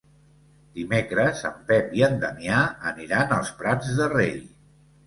Dimecres en Pep i en Damià aniran als Prats de Rei.